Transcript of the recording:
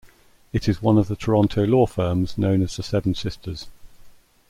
It is one of the Toronto law firms known as the Seven Sisters.